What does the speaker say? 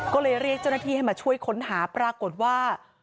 ก็เลยเรียกเจ้าหน้าที่ให้มาช่วยค้นหาปรากฏว่า